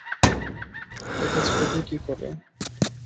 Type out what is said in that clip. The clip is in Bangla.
একে ছোঁবে কী করে?